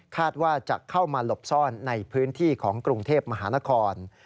ว่าจะเข้ามาหลบซ่อนในพื้นที่ของกรุงเทพมหานคร